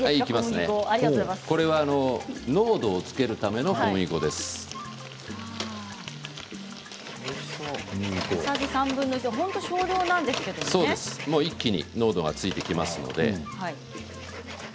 これは濃度をつけるための小さじ３分の１一気に濃度がついてきますので。